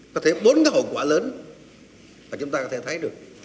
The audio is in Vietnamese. có thể bốn cái hậu quả lớn mà chúng ta có thể thấy được